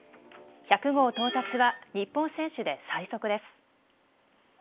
１００号到達は日本選手で最速です。